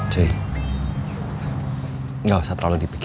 cuy nggak usah terlalu dipikirkan